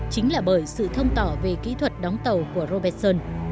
chính là bởi sự thông tỏ về kỹ thuật đóng tàu của robertson